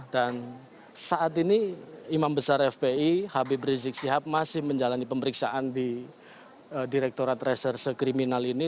dan saat ini imam besar fpi habib rizik sihab masih menjalani pemeriksaan di direktorat reserse kriminal ini